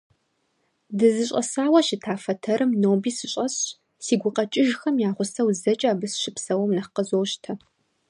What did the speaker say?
ДызыщӀэсауэ щыта фэтэрым ноби сыщӀэсщ, си гукъэкӀыжхэм я гъусэу зэкӀэ абы сыщыпсэум нэхъ къызощтэ.